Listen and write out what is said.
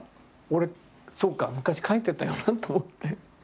俺そうか昔描いてたよなと思って。